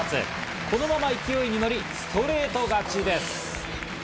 このまま勢いに乗りストレート勝ちです。